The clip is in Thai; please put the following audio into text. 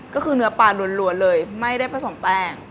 ก็คือเนื้อปลาล้วนเลยไม่ได้ผสมแป้ง